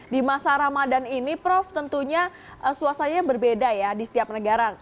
di masa ramadhan ini prof tentunya suasananya berbeda ya di setiap negara